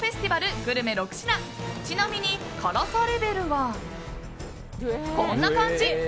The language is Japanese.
グルメ６品ちなみに、辛さレベルはこんな感じ。